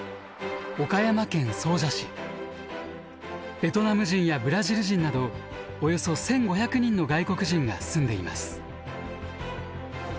ベトナム人やブラジル人などおよそ１，５００人の外国人が住んでいます。